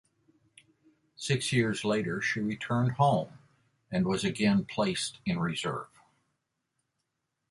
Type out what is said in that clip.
Six years later she returned home and was again placed in reserve.